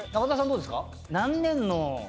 どうですか？